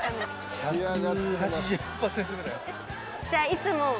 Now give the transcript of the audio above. じゃあいつも。